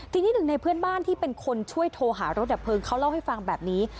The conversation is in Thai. ทีนี้หนึ่งในเพื่อนบ้านที่เป็นคนช่วยโทรหารถดับเพลิงเขาเล่าให้ฟังแบบนี้